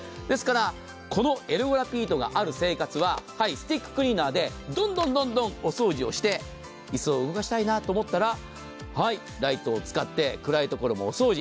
このエルゴラピードがある生活は、スティッククリーナーで、どんどんお掃除をして椅子を動かしたいなと思ったらライトを使って暗いところもお掃除。